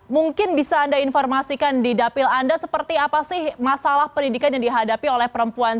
mungkin bisa anda informasikan di dapil anda seperti apa sih masalah pendidikan yang dihadapi oleh perempuan